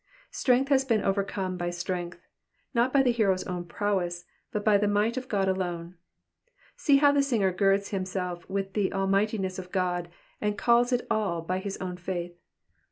Strength has been overcome by strength ; not by the hero's own prowess, but by the might of God alone. See how the singer girds himself with the almightiness of God, and calls it all his own by faith.